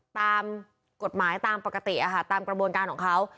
ตามกฎหมายตามปกติตามกระบวนการของเขา